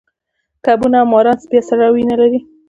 کبونه او ماران بیا سړه وینه لري